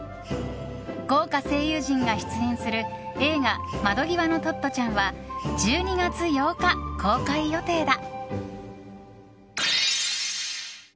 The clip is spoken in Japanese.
豪華声優陣が出演する映画「窓ぎわのトットちゃん」は１２月８日、公開予定だ。